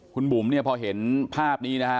คุณบุ๋มเนี่ยพอเห็นภาพนี้นะฮะ